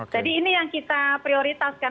jadi ini yang kita prioritaskan